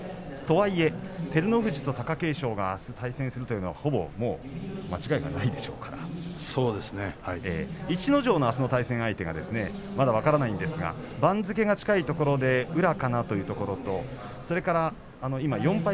とはいえ照ノ富士と貴景勝があす対戦するというのはほぼ間違いないでしょうから逸ノ城はあすの対戦相手がまだ分からないんですが番付が近いところで宇良かなというところと今４敗